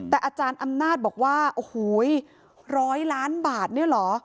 แต่อาจารย์อำนาจบอกว่าโอ้โห๑๐๐ล้านบาทเนี่ยเหรอ